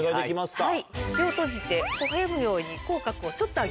はい。